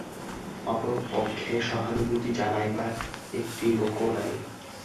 অপর পক্ষে সহানুভূতি জানাইবার একটি লোকও নাই।